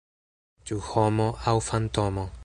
Ĉu homo aŭ fantomo?